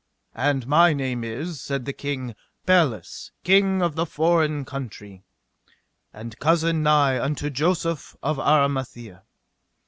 And my name is, said the king, Pelles, king of the foreign country, and cousin nigh unto Joseph of Armathie.